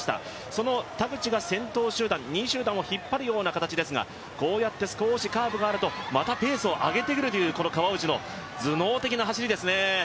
その田口が２位集団を引っ張るような感じですが、こうやってカーブがあるとまたペースを上げてくるという川内の頭脳的な走りですね。